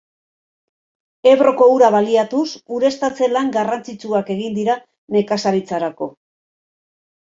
Ebroko ura baliatuz, ureztatze-lan garrantzitsuak egin dira nekazaritzarako.